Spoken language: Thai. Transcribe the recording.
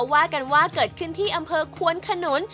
ว่ากันว่าเกิดขึ้นที่อำเภอควนขนุน